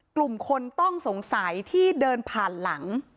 กลุ่มคนต้องสงสัยที่เดินผ่านหลัง